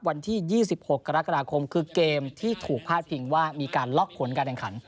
วันที่๒๖กรกฎาคมคือเกมที่ถูกพาดพิงว่ามีการล็อกผลการแข่งขัน